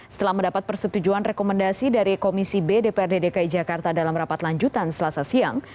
setelah mendapat persetujuan rekomendasi dari komisi b dprd dki jakarta dalam rapat lanjutan selasa siang